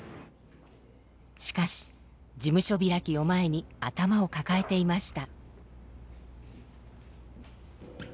しかし事務所開きを前に頭を抱えていました。